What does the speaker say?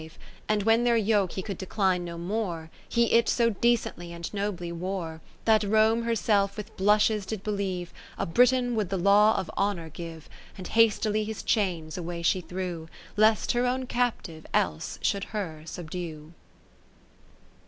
iguage And when their yoke he could decline no more, He it so decently and nobly wore, That Rome herself with blushes did believe A Britain * would the Law of Honour give ; And hastily his chains away she threw, Lest her own captive else should her subdue.